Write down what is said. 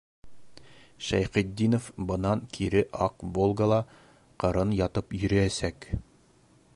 Шәйхетдинов бынан кире аҡ «Волга»ла ҡырын ятып йөрөйәсәк.